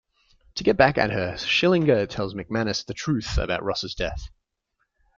To get back at her, Schillinger tells McManus the truth about Ross' death.